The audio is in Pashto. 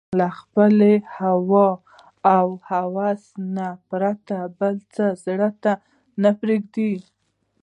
له خپل هوى او هوس نه پرته بل څه زړه ته نه پرېږدي